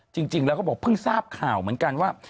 จริงแล้วก็บอกเพิ่งทราบข่าวเหมือนกันว่า